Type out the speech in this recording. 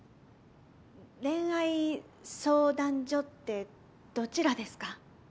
恋愛相談所ってどちらですか？